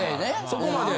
そこまで。